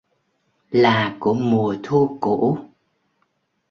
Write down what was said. Là của mùa thu cũ